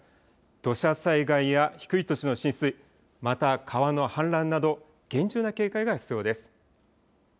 土砂災害や低い土地の浸水、また川の氾濫など、厳重な警戒が必要です。